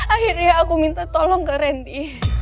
akhirnya aku minta tolong ke randy